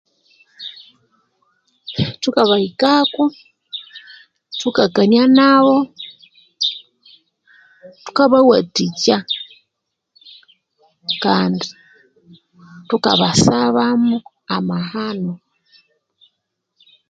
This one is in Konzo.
Thukabahikako thukakania nabo thukabawathikya kandi thukabasaba amahano